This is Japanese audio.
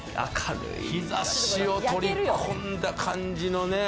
日差しを取り込んだ感じの。